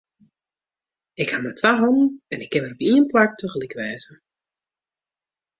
Ik haw mar twa hannen en ik kin mar op ien plak tagelyk wêze.